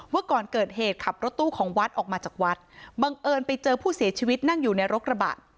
ว่าก่อนเกิดเหตุขับรถตู้ของวัดออกมาจากวัดบังเอิญไปเจอผู้เสียชีวิตนั่งอยู่ในรถกระบะ